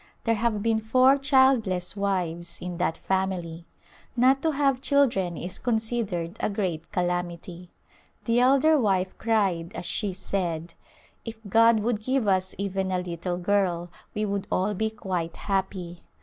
There have been four childless wives in that family. Not to have children is considered a great calamity. The elder wife cried as she said, " If God would give us even a little girl we would all be quite happy."